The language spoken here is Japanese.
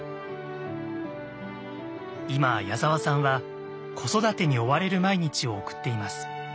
今矢沢さんは子育てに追われる毎日を送っています。